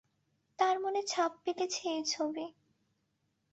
তার মনে ছাপ ফেলেছে এই ছবি।